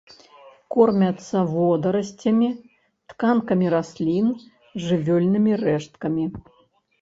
Кормяцца водарасцямі, тканкамі раслін, жывёльнымі рэшткамі.